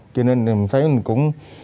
cho nên mình thấy cũng